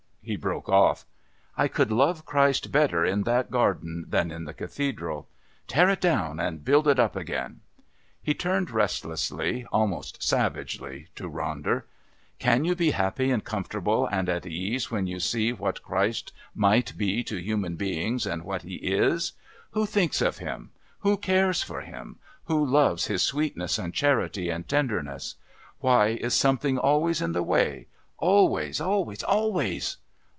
He broke off. "I could love Christ better in that garden than in the Cathedral. Tear it down and build it up again!" He turned restlessly, almost savagely, to Ronder. "Can you be happy and comfortable and at ease, when you see what Christ might be to human beings and what He is? Who thinks of Him, who cares for Him, who loves His sweetness and charity and tenderness? Why is something always in the way, always, always, always?